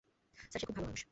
Sir, সে খুব ভালো মানুষ।